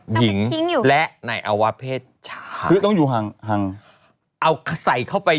หญิงและในอวพเทศชาว